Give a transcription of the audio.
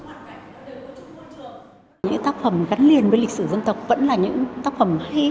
những tác phẩm gắn liền với lịch sử dân tộc vẫn là những tác phẩm hay